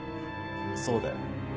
そうだよ。